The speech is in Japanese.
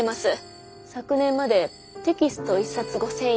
昨年までテキスト１冊５，０００円。